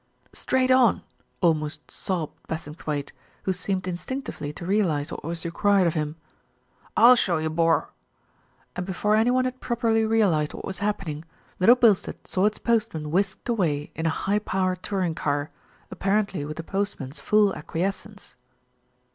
"Straight on !" almost sobbed Bassingthwaighte, who seemed instinctively to realise what was required of him. "I'll show you, bor," and before any one had properly realised what was happening, Little Bilstead saw its postman whisked away in a high power touring car, apparently with the postman's full acquiescence.